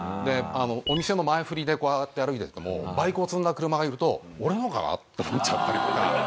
お店の前振りでこうやって歩いててもバイクを積んだ車がいると俺のかな？って思っちゃったりとか。